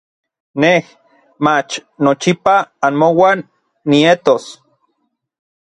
Nej, mach nochipa anmouan nietos.